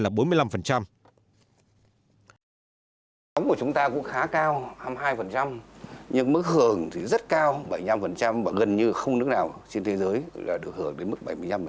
đóng của chúng ta cũng khá cao hai mươi hai nhưng mức hưởng thì rất cao bảy mươi năm và gần như không nước nào trên thế giới là được hưởng đến mức bảy mươi năm